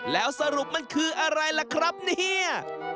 แล้วสรุปมันคืออะไรล่ะครับเนี่ย